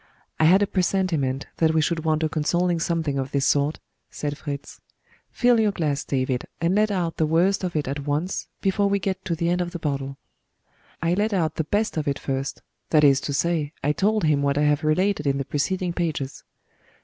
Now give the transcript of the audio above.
"I had a presentiment that we should want a consoling something of this sort," said Fritz. "Fill your glass, David, and let out the worst of it at once, before we get to the end of the bottle." I let out the best of it first that is to say, I told him what I have related in the preceding pages.